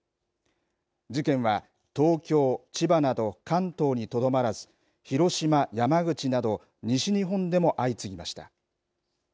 事件は東京、千葉など関東にとどまらず広島、山口など西日本でも相次ぎました。